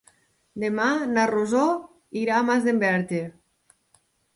Demà na Rosó irà a Masdenverge.